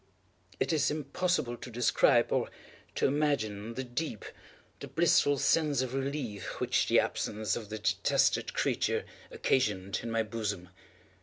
It is impossible to describe, or to imagine, the deep, the blissful sense of relief which the absence of the detested creature occasioned in my bosom.